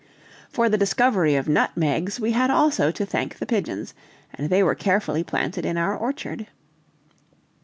For the discovery of nutmegs we had also to thank the pigeons, and they were carefully planted in our orchard.